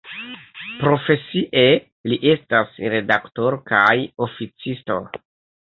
Profesie li estas redaktoro kaj oficisto.